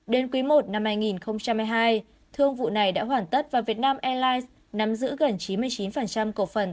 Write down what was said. đến quý i năm hai nghìn một mươi hai thương vụ này đã hoàn tất và vietnam airlines nắm giữ gần chín mươi chín cổ phần